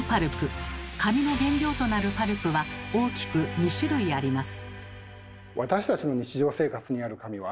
紙の原料となるパルプは大きく２種類あります。